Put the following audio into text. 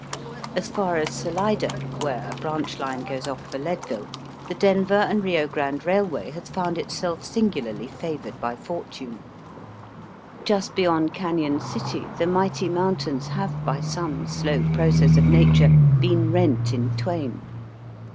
As far as Salida, where a branch line goes oflf for Leadville, the Denver and Kio Grande Eailway has found itself singularly favoured by fortune. Just beyond Cailon City the mighty mountains have by some slow process of nature been rent in twain.